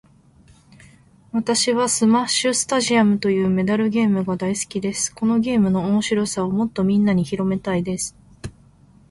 私はスマッシュスタジアムというメダルゲームが大好きです。このゲームの面白さをもっとみんなに広めたいです。